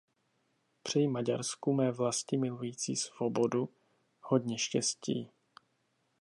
Přeji Maďarsku, mé vlasti milující svobodu, hodně štěstí.